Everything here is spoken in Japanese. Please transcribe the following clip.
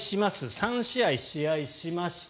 ３試合、試合しました。